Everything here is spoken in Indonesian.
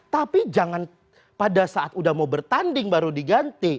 tapi jangan pada saat udah mau bertanding baru diganti